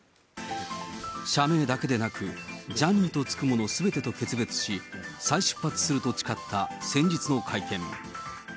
社名だけでなく、ジャニーとつくものすべてと決別し、再出発すると誓った先日の会見。